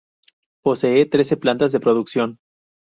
Posee trece plantas de producción.